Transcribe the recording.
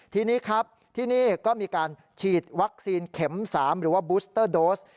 ทีนี้ครับที่นี่ก็มีการฉีดวัคซีนเข็ม๓หรือว่าบูสเตอร์โดส